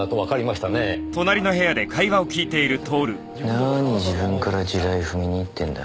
何自分から地雷踏みに行ってんだ？